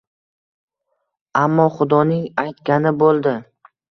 Ammo xudoning aytgani bo’ldi